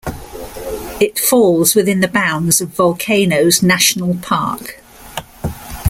It falls within the bounds of Volcanoes National Park.